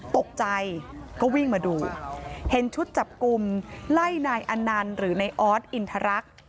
ตกใจก็วิ่งมาดูเห็นชุดจับกลุ่มไล่นายอนันต์หรือนายออสอินทรัก